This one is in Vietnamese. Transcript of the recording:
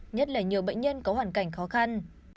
nhất là nhiều bệnh nhân có hoàn cảnh khó khăn